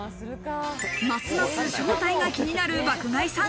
ますます正体が気になる爆買いさん。